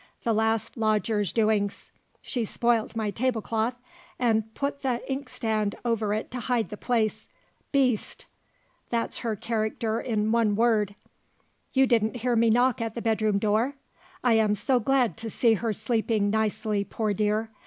The last lodger's doings! She spoilt my tablecloth, and put the inkstand over it to hide the place. Beast! there's her character in one word. You didn't hear me knock at the bedroom door? I am so glad to see her sleeping nicely, poor dear!